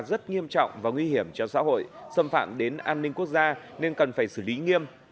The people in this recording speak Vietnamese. rất nghiêm trọng và nguy hiểm cho xã hội xâm phạm đến an ninh quốc gia nên cần phải xử lý nghiêm